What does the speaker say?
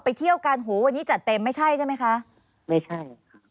ไปเที่ยวกันโหอันนี้หันจัดเต็มไม่ใช่ใช่ไหมคะไม่ใช่